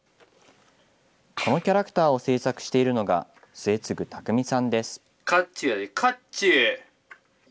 このキャラクターを製作しているのが、末次拓実さんです。